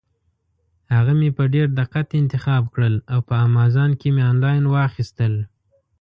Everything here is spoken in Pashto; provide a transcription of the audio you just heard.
هغه مې په ډېر دقت انتخاب کړل او په امازان کې مې انلاین واخیستل.